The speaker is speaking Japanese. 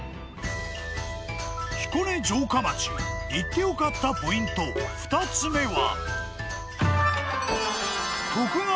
彦根城下町行って良かったポイント２つ目は。